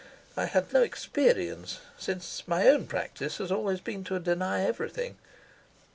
I had no experience, since my own practice has always been to deny everything.